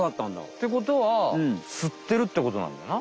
ってことはすってるってことなんだな。